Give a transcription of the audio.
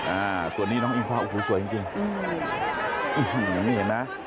อ่าส่วนนี้น้องอิงฟ้าโอ้โหสวยจริงจริงอืมนี่เห็นไหม